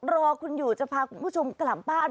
รอคุณอยู่จะพาคุณผู้ชมกลับบ้าน